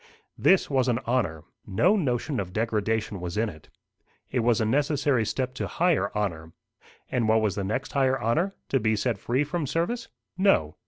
This was an honour. No notion of degradation was in it. It was a necessary step to higher honour. And what was the next higher honour? To be set free from service? No.